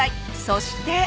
そして。